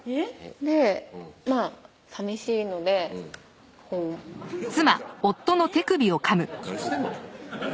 でまぁさみしいのでこう璃音ちゃん何してんの？